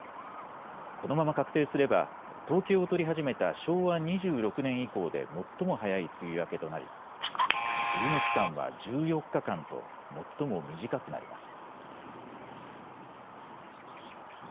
このまま確定すれば統計を取り始めた昭和２６年以降で最も早い梅雨明けとなり梅雨の期間は１４日間と最も短くなります。